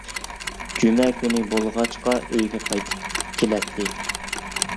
جۈمە كۈنى بولغاچقا ئۆيگە قايتىپ كېلەتتى.